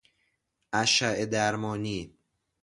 اشعه درمانی